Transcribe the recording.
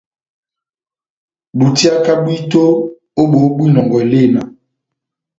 Dutiaka bwito ó boho bwa inɔngɔ elena.